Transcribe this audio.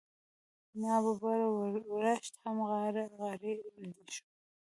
نا ببره ورښت هم غاړه غړۍ شو.